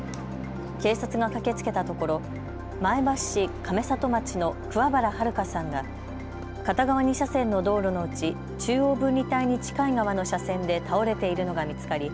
警察が駆けつけたところ前橋市亀里町の桑原悠さんが片側２車線の道路のうち中央分離帯に近い側の車線で倒れているのが見つかり